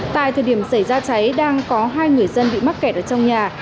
tại thời điểm xảy ra cháy đang có hai người dân bị mắc kẹt ở trong nhà